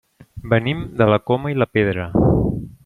Venim de la Coma i la Pedra.